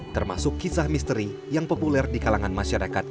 termasuk kisah misteri yang populer di kalangan masyarakat